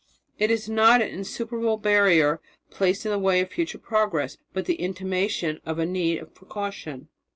It is not an insuperable barrier placed in the way of future progress, but the intimation of a need for caution."